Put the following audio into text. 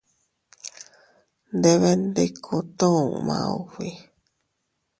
Ndebendikutuu maubi.